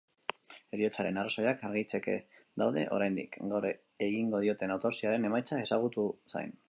Heriotzaren arrazoiak argitzeke daude oraindik, gaur egingo dioten autopsiaren emaitzak ezagutu zain.